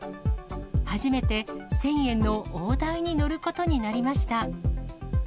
初めて１０００円の大台に乗ることになりました。